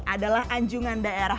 adalah anjungan daerah